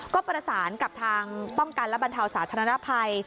ก็ประสานกับทางป้องกันและบรรเทาสาธารณภัย